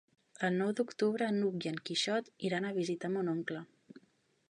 El nou d'octubre n'Hug i en Quixot iran a visitar mon oncle.